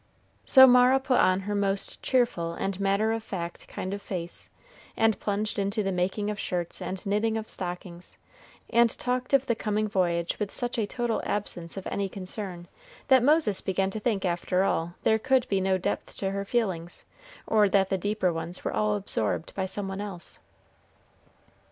So Mara put on her most cheerful and matter of fact kind of face, and plunged into the making of shirts and knitting of stockings, and talked of the coming voyage with such a total absence of any concern, that Moses began to think, after all, there could be no depth to her feelings, or that the deeper ones were all absorbed by some one else.